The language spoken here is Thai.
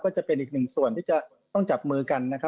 ก็จะเป็นอีกหนึ่งส่วนที่จะต้องจับมือกันนะครับ